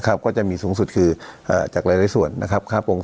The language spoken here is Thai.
ก็จะมีสูงสุดคือจากหลายส่วนนะครับค่าโปรง